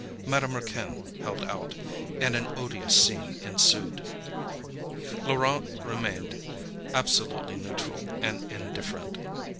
Madame Raquin held out, and an odious scene ensued. Laurent remained absolutely neutral and indifferent.